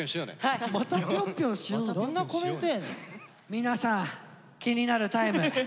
皆さん気になるタイム。